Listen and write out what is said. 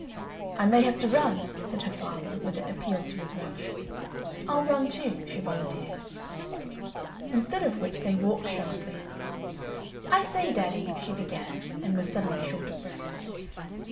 "I may have to run," said her father, with an appeal to his watch. "I'll run, too," she volunteered. Instead of which they walked sharply.... "I say, daddy," she began, and was suddenly short of breath.